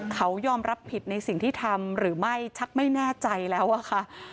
เขายอมรับผิดในสิ่งที่ทำหรือไม่ชักไม่แน่ใจแล้วอะค่ะ